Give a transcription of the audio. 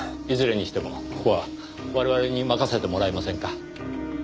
いずれにしてもここは我々に任せてもらえませんか？